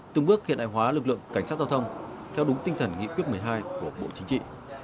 từng bước hiện đại hóa lực lượng cảnh sát giao thông theo đúng tinh thần nghị quyết một mươi hai của bộ chính trị